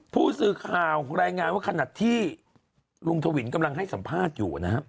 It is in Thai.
ผู้สื่อข่าวรายงานว่าขณะที่ลุงทวินกำลังให้สัมภาษณ์อยู่นะครับ